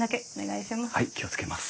はい気を付けます。